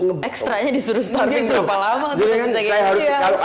ekstranya disuruh starving berapa lama